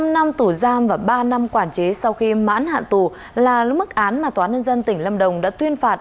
năm năm tù giam và ba năm quản chế sau khi mãn hạn tù là lúc mức án mà tn tỉnh lâm đồng đã tuyên phạt